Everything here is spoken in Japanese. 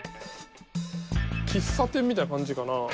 喫茶店みたいな感じかな？